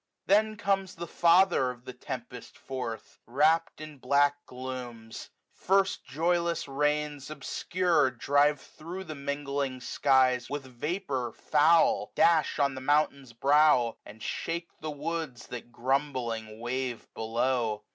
Then comes the father of the tempest forth^ Wrapt in black glooms. Rrst joyless rains obsdd^ Drive thro' the mingling skies with vapour foul ; Dash on the mountain's brow, and shake the W0b3s, That grumbling wave below.